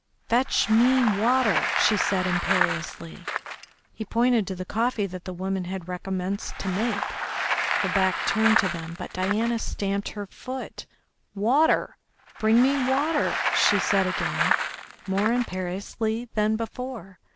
"Fetch me water!" she said imperiously. He pointed to the coffee that the woman had recommenced to make, her back turned to them, but Diana stamped her foot. "Water! Bring me water!" she said again, more imperiously than before.